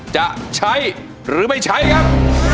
จะใช้หรือไม่ใช้ครับ